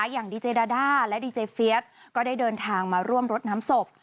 อย่างดีเจดาด้าและดีเจเฟียสก็ได้เดินทางมาร่วมรดน้ำศพ